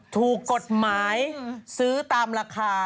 ถูกกฎหมายซื้อตามราคา